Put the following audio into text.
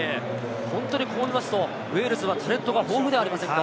こう見るとウェールズはタレントが豊富じゃありませんか？